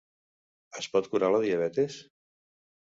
Es pot curar la diabetis?